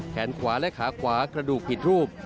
แขนขวาและขาขวากระดูกผิดรูป